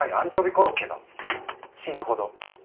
コロッケが死ぬほど好きです。